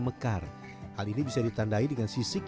mekar hal ini bisa ditandai dengan sisik